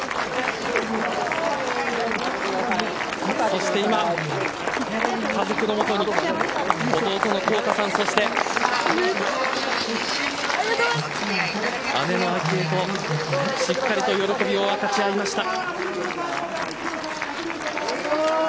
そして今家族のもとに弟のコウタさんそして姉の明愛としっかりと喜びを分かち合いました。